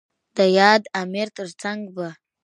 د ياد امر تر څنګ ب